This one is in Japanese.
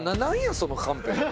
そのカンペ。